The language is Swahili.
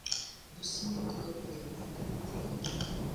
Busia iko kwenye mpaka na Kenya.